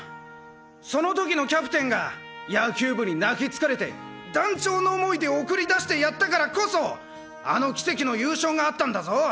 その時のキャプテンが野球部に泣きつかれて断腸の思いで送り出してやったからこそあの奇跡の優勝があったんだぞ！